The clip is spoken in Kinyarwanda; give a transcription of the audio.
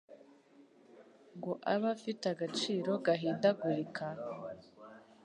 ngo abe afite agaciro gahindagurika;